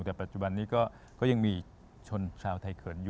แต่ปัจจุบันนี้ก็ยังมีชนชาวไทยเขินอยู่